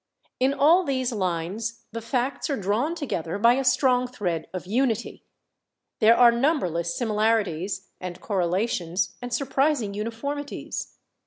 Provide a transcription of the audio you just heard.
In all these lines the facts are drawn together by a strong thread of unity. There are numberless similarities and correlations and surprising uniformities.